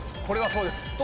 これはそうです。